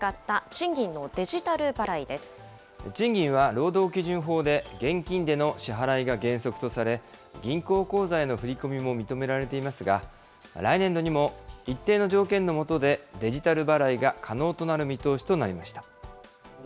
賃金は労働基準法で現金での支払いが原則とされ、銀行口座への振り込みも認められていますが、来年度にも一定の条件の下で、デジタル払いが可能となる見通しとなりました。